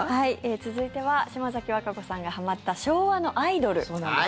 続いては島崎和歌子さんがはまった昭和のアイドルです。